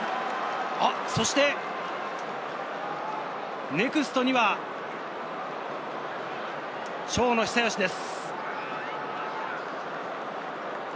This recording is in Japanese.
そして、ネクストには、長野久義です。